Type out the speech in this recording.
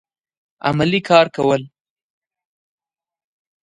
عملي کار کول